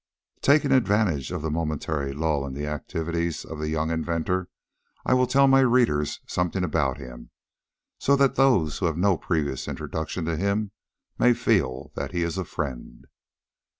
Taking advantage of the momentary lull in the activities of the young inventor, I will tell my readers something about him, so that those who have no previous introduction to him may feel that he is a friend.